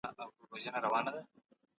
ښوونکی هڅه کوي چې زدهکوونکي فعال واوسي.